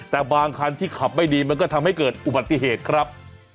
แต่บางคันที่ขับไม่ดีมันก็ทำให้เกิดอุบัติเหตุครับ